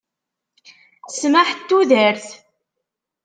Ssmaḥ n tudert.